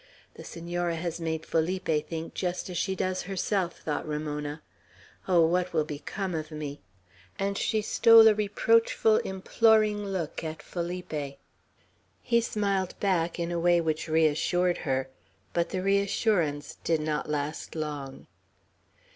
"The Senora has made Felipe think just as she does herself," thought Ramona. "Oh, what will become of me!" and she stole a reproachful, imploring look at Felipe. He smiled back in a way which reassured her; but the reassurance did not last long.